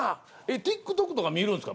ＴｉｋＴｏｋとか見るんですか？